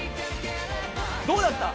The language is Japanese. どうだった？